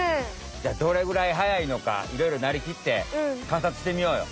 じゃあどれぐらい速いのかいろいろなりきってかんさつしてみようよ。